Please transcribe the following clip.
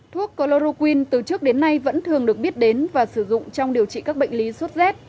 thuốc chloroquin từ trước đến nay vẫn thường được biết đến và sử dụng trong điều trị các bệnh lý sốt rét